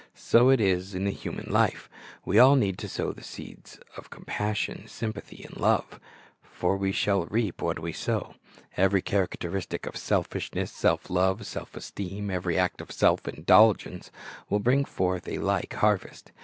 So it is in human life. We all need to sow the seeds of com passion, sympathy, and love; for we shall reap what we sow. Every characteristic of selfishness, self love, self esteem, every act of self indulgence, will bring forth a like harvest.